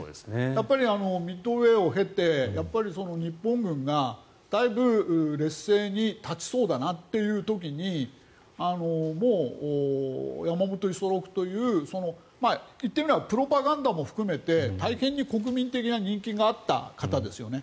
やっぱりミッドウェーを経て日本軍がだいぶ劣勢に立ちそうだなという時にもう山本五十六という言ってみればプロパガンダも含めて大変に国民的な人気があった方ですよね。